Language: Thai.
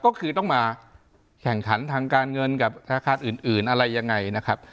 ก็คือต้องมาแข่งขันทางการเงินกับธนาคารอื่นอะไรยังไงนะครับ